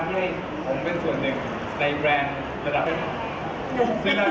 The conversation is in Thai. ก็ดีใจค่ะจริงเป็นคนใช้ทั้งส่วนอยู่แล้ว